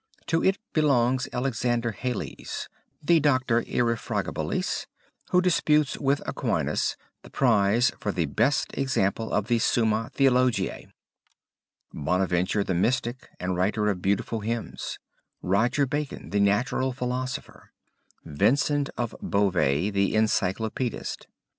To it belongs Alexander Hales, the Doctor Irrefragabilis who disputes with Aquinas the prize for the best example of the Summa Theologiae; Bonaventure the Mystic, and writer of beautiful hymns; Roger Bacon, the natural philosopher; Vincent of Beauvais, the encyclopedist.